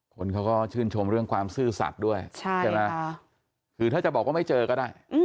คนเขาก็ชื่นชมเรื่องความซื่อสัตว์ด้วยใช่ไหมคือถ้าจะบอกว่าไม่เจอก็ได้